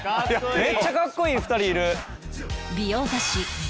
めっちゃかっこいい２人いる。